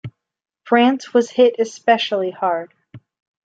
France was hit especially hard.